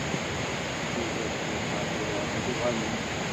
Yuba d Cabḥa tura ad uɣalen.